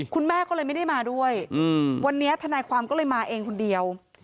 คุณแม่ก็เลยไม่ได้มาด้วยวันนี้ทนายความก็เลยมาเองคนเดียว